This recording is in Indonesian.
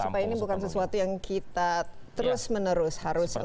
supaya ini bukan sesuatu yang kita terus menerus harus